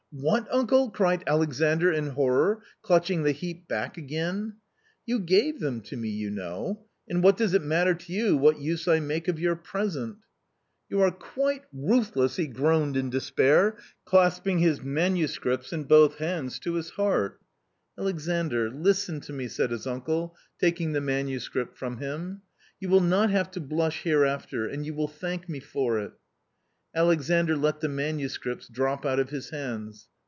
,, "What, uncle?" cried Alexandr in horror, clutching the heap back again. 44 You gave them to me you know, and what does it matter to you what use I make of your present ?" 44 You are quite ruthless !" he groaned in despair, clasp ing his manuscripts in both hands to his heart. 44 Alexandr, listen to me," said his uncle, taking the manuscript from him :— 44 you will not have to blush here after and you will thank me for it" Alexandr let the manuscripts drop out of his hands.